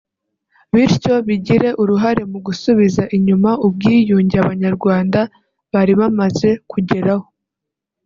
bityo bigire uruhare mu gusubiza inyuma ubwiyunge Abanyarwanda bari bamaze kugeraho